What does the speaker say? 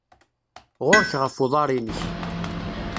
Ɣur-k ɣef uḍar-inek.